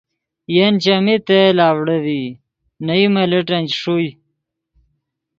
ین چیمی تیل اڤڑے ڤی نے یو منٹن چے ݰوئے